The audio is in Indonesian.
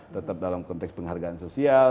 tetap dalam konteks penghargaan sosial